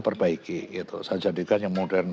perbaiki gitu saya jadikan yang modern